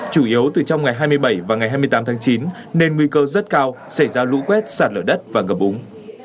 chủ yếu từ trong ngày hai mươi bảy và ngày hai mươi tám tháng chín nên nguy cơ rất cao xảy ra lũ quét sạt lở đất và ngập úng